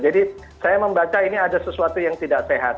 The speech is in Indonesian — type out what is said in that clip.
jadi saya membaca ini ada sesuatu yang tidak